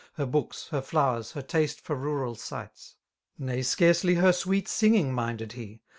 Her books, her flowers, her taste for rural sights ; 54 Nay, scarcely her sweet singing minded he.